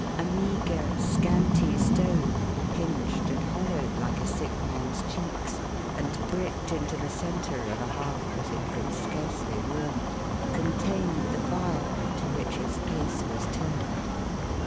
A meagre scanty stove, pinched and hollowed like a sick man's cheeks, and bricked into the centre of a hearth that it could scarcely warm, contained the fire, to which his face was turned.